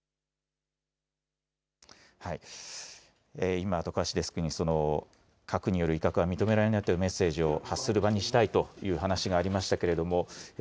今、徳橋デスクに、核による威嚇は認められないというメッセージを発する場にしたいという話がありましたけれども。